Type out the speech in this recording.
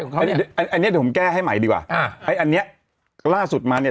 ของเขาเนี้ยอันเนี้ยเดี๋ยวผมแก้ให้ใหม่ดีกว่าอ่าอันเนี้ยล่าสุดมาเนี้ย